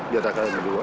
di atas kalian berdua